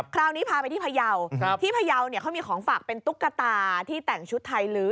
คราวนี้พาไปที่พยาวที่พยาวเนี่ยเขามีของฝากเป็นตุ๊กตาที่แต่งชุดไทยลื้อ